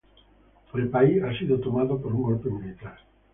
El país ha sido tomado por un golpe militar.